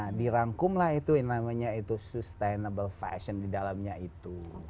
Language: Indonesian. jadi dirangkumlah itu yang namanya itu sustainable fashion di dalamnya itu